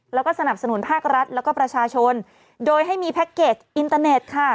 แล้วก็สนับสนุนภาครัฐแล้วก็ประชาชนโดยให้มีแพ็คเกจอินเตอร์เน็ตค่ะ